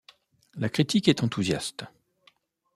La critique est enthousiaste.